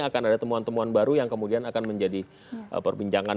akan ada temuan temuan baru yang kemudian akan menjadi perbincangan